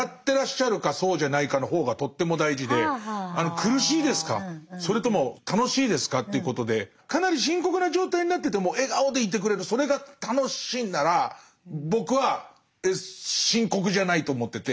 苦しいですかそれとも楽しいですかっていうことでかなり深刻な状態になってても笑顔でいてくれるそれが楽しいんなら僕は深刻じゃないと思ってて。